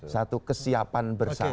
satu kesiapan bersih